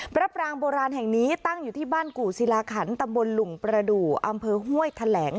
พระปรางโบราณแห่งนี้ตั้งอยู่ที่บ้านกู่ศิลาขันตำบลหลุงประดูกอำเภอห้วยแถลง